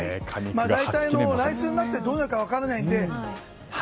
来週になったらどうなるか分からないので。